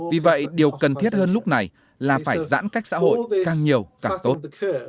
vì vậy điều cần thiết hơn lúc này là phải giãn cách xã hội càng nhiều càng tốt